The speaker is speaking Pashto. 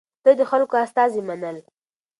ده د خلکو استازي منل.